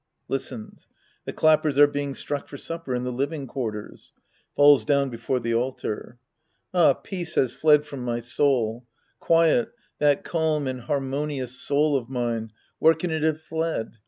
(Listens.) The clappers are being struck for supper in the living quarters. (Falls down before the altar.) Ah, peace has fled from my soul. Quiet, — that calm and harmonious soul of mine, where can it have fled